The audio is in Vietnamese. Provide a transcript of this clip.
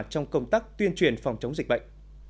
trong công tác tuyên truyền phòng chống dịch bệnh